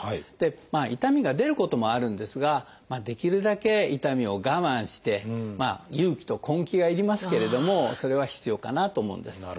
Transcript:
痛みが出ることもあるんですができるだけ痛みを我慢して勇気と根気が要りますけれどもそれは必要かなと思うんです。